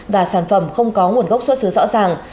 và sản phẩm không có nguồn gốc xuất xứ rõ ràng